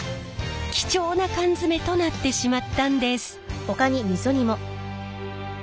貴重な缶詰となってしまったんです。